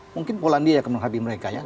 mungkin polandia yang akan menghadapi mereka ya